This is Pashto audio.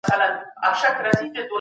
حیثیت په ښو کړنو لاسته راځي.